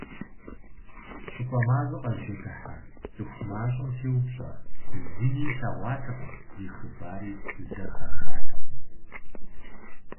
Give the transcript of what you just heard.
ЩӀыпӀэ мащӀэ къэзджэдыхьа, цӀыху мащӀэм сеупщӀа - зыми илъэгъуатэкъым, и хъыбари зэхахатэкъым.